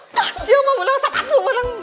pasti yang mau beli sepatu menang